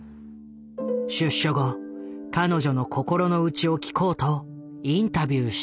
出所後彼女の心のうちを聞こうとインタビューした人物がいる。